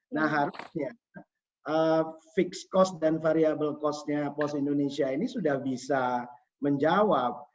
nah harusnya fixed cost dan variable cost nya pos indonesia ini sudah bisa menjawab